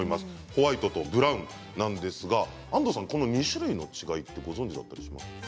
ホワイトとブラウンなんですが安藤さん、この２種類の違いってご存じですか？